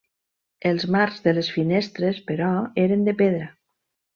Els marcs de les finestres, però eren de pedra.